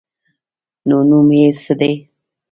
_نو نوم يې څه دی؟